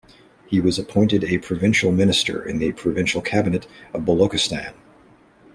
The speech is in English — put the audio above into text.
He was appointed a provincial minister in the provincial cabinet of Balochistan.